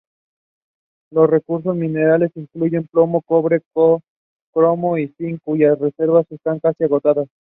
Los recursos minerales incluyen plomo, cobre, cromo, y zinc, cuyas reservas están casi agotadas.